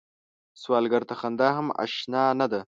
سوالګر ته خندا هم اشنا نه ده